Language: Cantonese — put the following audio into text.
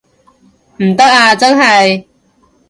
唔得啊真係